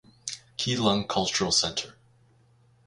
Keelung Cultural Center.